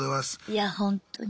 いやほんとに。